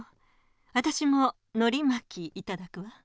わたしものりまきいただくわ！